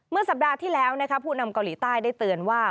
สัปดาห์ที่แล้วผู้นำเกาหลีใต้ได้เตือนว่า